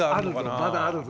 まだあるぞ。